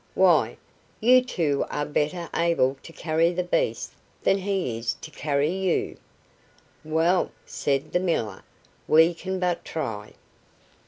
"Why, you two are better able to carry the beast than he is to carry you." "Well," said the miller, "we can but try."